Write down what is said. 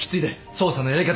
捜査のやり方を。